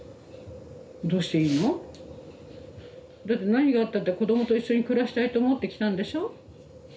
どうしていいの？だって何があったって子どもと一緒に暮らしたいと思って来たんでしょ？